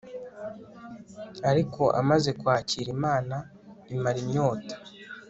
ariko amaze kwakira imana imara inyota